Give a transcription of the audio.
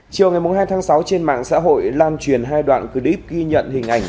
chiều ngày hai tháng sáu trên mạng xã hội lan truyền hai đoạn clip ghi nhận hình ảnh